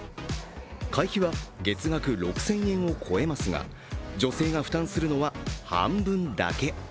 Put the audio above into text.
会費は月額６０００円を超えますが女性が負担するのは半分だけ。